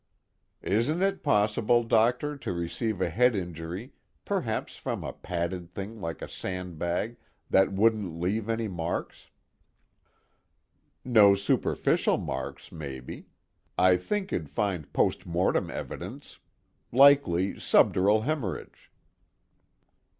"Isn't it possible, Doctor, to receive a head injury, perhaps from a padded thing like a sandbag, that won't leave any marks?" "No superficial marks, maybe. I think you'd find post mortem evidence, likely subdural hemorrhage."